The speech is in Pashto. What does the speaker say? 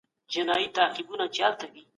روغتونونه او سړکونه د خلګو اسانتیاوې دي.